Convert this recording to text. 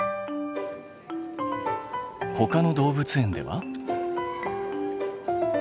ほかの動物園では？